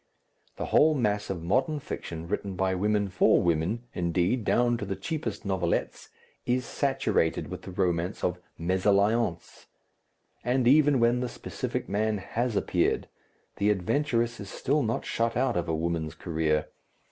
The whole mass of modern fiction written by women for women, indeed, down to the cheapest novelettes, is saturated with the romance of mésalliance. And even when the specific man has appeared, the adventurous is still not shut out of a woman's career.